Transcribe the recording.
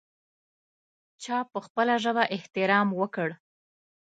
چا په خپله ژبه احترام وکړ.